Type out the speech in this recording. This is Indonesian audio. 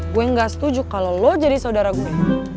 gue gak setuju kalau lo jadi saudara gue